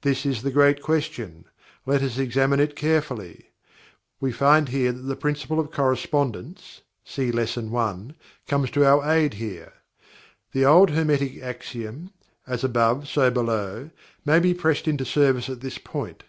This is the great question. Let us examine it carefully. We find here that the "Principle of Correspondence" (see Lesson I.) comes to our aid here. The old Hermetic axiom, "As above so below," may be pressed into service at this point.